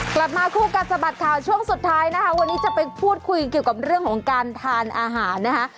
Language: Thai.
กลับมาคู่กัดสะบัดข่าวช่วงสุดท้ายนะคะวันนี้จะไปพูดคุยเกี่ยวกับเรื่องของการทานอาหารนะคะ